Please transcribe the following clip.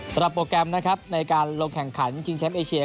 สำหรับโปรแกรมในการลงแข่งขันจิงเชียมเอเชีย